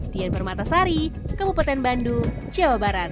di anber matasari kabupaten bandung jawa barat